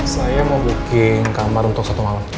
saya mau booking kamar untuk satu malam